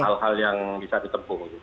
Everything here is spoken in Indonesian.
hal hal yang bisa ditempuh